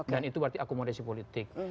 dan itu berarti akomodasi politik